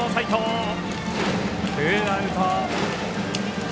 ツーアウト。